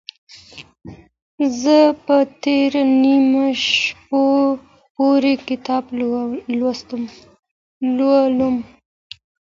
زه به تر نیمو شپو پورې کتاب لولم.